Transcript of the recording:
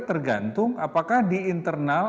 tergantung apakah di internal